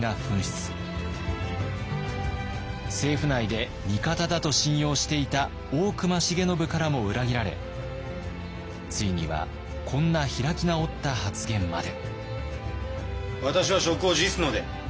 政府内で味方だと信用していた大隈重信からも裏切られついにはこんな開き直った発言まで。